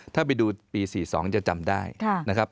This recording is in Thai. ถ้าไปดูปี๔๒จะจำได้นะครับ